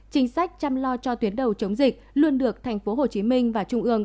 chính sách chăm lo cho tuyến đầu chống dịch luôn được tp hcm và trung ương